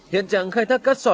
hiện trạng khai thác cát sỏi